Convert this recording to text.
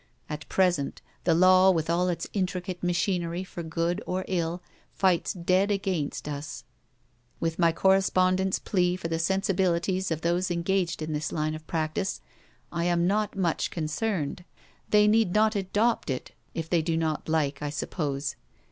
At present the law, with all its intricate machinery for good or ill, fights dead against us: with my correspondent's plea for the sensibilities of those engaged in this line of practice, I am not much concerned. They need not adopt it if they do not like, I suppose.